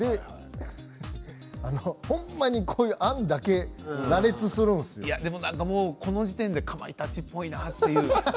ほんまに、こういう案だけこの時点でかまいたちっぽいなって。